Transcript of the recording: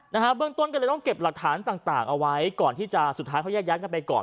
เบื้องต้นก็เลยต้องเก็บหลักฐานต่างต่างเอาไว้ก่อนที่จะสุดท้ายเขาแยกย้ายกันไปก่อน